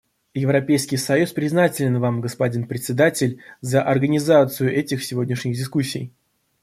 Европейский союз признателен Вам, господин Председатель, за организацию этих сегодняшних дискуссий.